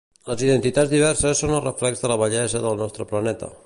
Les identitats diverses són el reflex de la bellesa del nostre planeta.